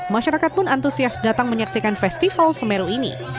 masyarakat pun antusias datang menyaksikan festival semeru ini